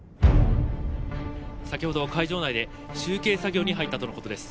先ほど会場内で集計作業に入ったとのことです